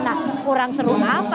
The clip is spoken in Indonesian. nah kurang seru apa